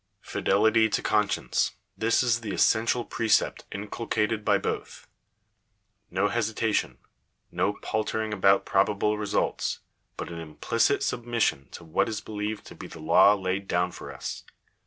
Fidelity to conscience— this is the essentia] precept inculcated by both. No hesitation, no paltering about probable results, but an implicit submission to what is believed to be the law laid down for us.